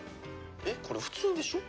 えっこれ普通でしょ？